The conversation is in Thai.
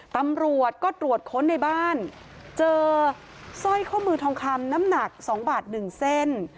ตำรวจก็ตรวจค้นในบ้านเจอสร้อยข้อมือทองคำน้ำหนัก๒บาท๑เส้น